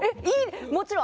もちろん！